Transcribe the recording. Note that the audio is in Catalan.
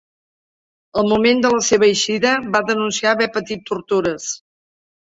Al moment de la seva eixida va denunciar haver patit tortures.